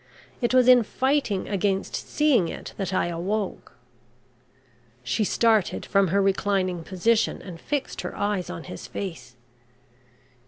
It was in fighting against seeing it that I awoke." She started from her reclining position and fixed her eyes on his face.